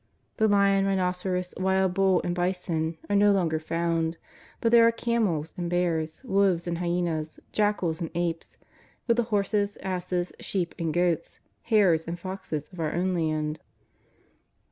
The lion, rhinoceros, wild bull, and bison, are no longer found, but there are camels and bears, wolves and hyenas, jackals and apes, with the horses, asses, sheep, and goats, hares and foxes of our own land.